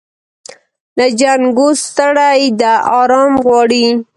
له جنګو ستړې ده آرام غواړي